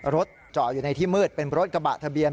เจาะอยู่ในที่มืดเป็นรถกระบะทะเบียน